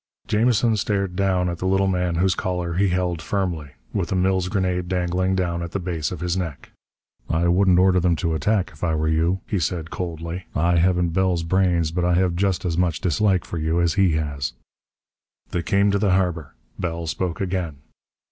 Jamison stared down at the little man whose collar he held firmly, with a Mills grenade dangling down at the base of his neck. "I wouldn't order them to attack, if I were you," he said coldly. "I haven't Bell's brains, but I have just as much dislike for you as he has." They came to the harbor. Bell spoke again.